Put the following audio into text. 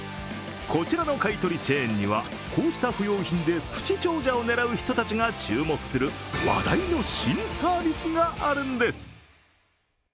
こちらの買取チェーンにはこうした不用品でプチ長者を狙う人たちが注目する話題の新サービスがあるんです。